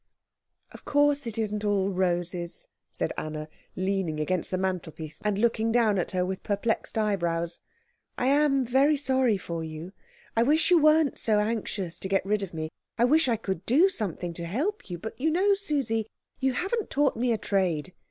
"Of course it isn't all roses," said Anna, leaning against the mantelpiece and looking down at her with perplexed eyebrows. "I am very sorry for you. I wish you weren't so anxious to get rid of me. I wish I could do something to help you. But you know, Susie, you haven't taught me a trade.